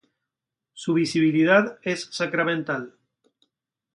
Su visibilidad es sacramental.